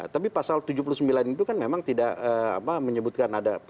tapi pasal tujuh puluh sembilan itu kan memang tidak menyebutkan ada